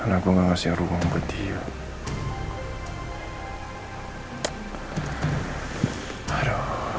karena gue gak ngasih ruang buat dia